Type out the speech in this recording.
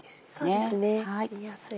そうですね切りやすい。